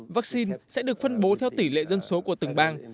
vaccine sẽ được phân bố theo tỷ lệ dân số của từng bang